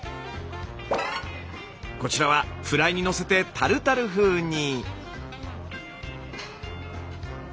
こちらはフライにのせてタルタル風に。